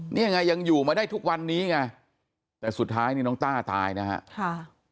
นี่ไงยังอยู่มาได้ทุกวันนี้ไงแต่สุดท้ายนี่น้องต้าตายนะฮะค่ะ